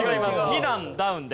２段ダウンです。